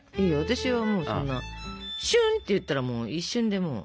私はもうそんなシュンっていったら一瞬でもう。